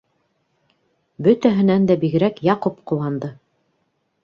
Бөтәһенән дә бигерәк Яҡуп ҡыуанды.